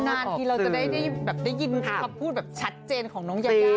นานทีเราจะได้ยินคำพูดแบบชัดเจนของน้องยายา